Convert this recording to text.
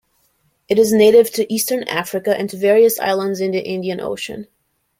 It is native to eastern Africa and to various islands in the Indian Ocean.